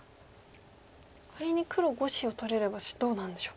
仮に黒５子を取れればどうなんでしょうか。